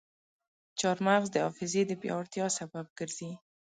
چارمغز د حافظې د پیاوړتیا سبب ګرځي.